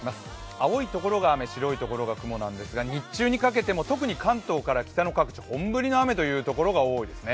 青いところが雨、白いところが雲ですが、日中にかけても特に関東から北の各地、本降りの雨というところが多いですね。